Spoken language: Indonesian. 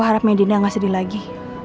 harapnya dina enggak sedih lagi